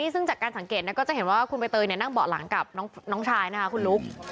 ซึ่งจากการสังเกตก็จะเห็นว่าคุณใบเตยนั่งเบาะหลังกับน้องชายนะคะคุณลุ๊ก